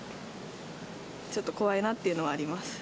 ちょっと怖いなっていうのはあります。